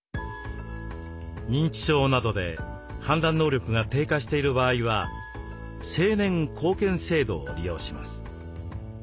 認知症などで判断能力が低下している場合は「成年後見制度」を利用します。